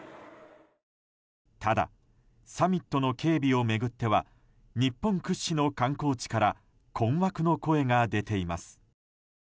ただ、サミットの警備を巡っては日本屈指の観光地から困惑の声が出ています。